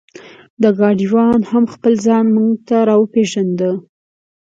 ګاډیوان هم خپل ځان مونږ ته را وپېژنده.